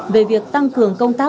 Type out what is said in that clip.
về việc tăng cường công tác